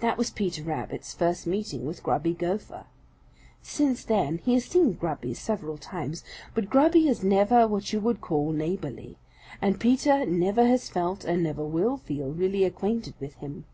That was Peter Rabbit's first meeting with Grubby Gopher. Since then he has seen Grubby several times, but Grubby is never what you would call neighborly, and Peter never has felt and never will feel really acquainted with him.